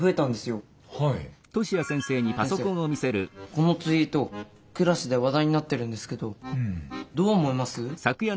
このツイートクラスで話題になってるんですけどどう思います？